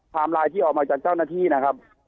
ไลน์ที่ออกมาจากเจ้าหน้าที่นะครับ